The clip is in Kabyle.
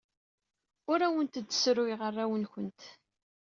Ur awent-d-ssruyeɣ arraw-nwent.